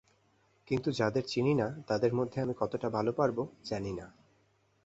কিন্তু যাদের চিনি না, তাদের মধ্যে আমি কতটা ভালো পারব, জানি না।